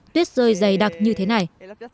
tuyết rơi dày đặc như thế này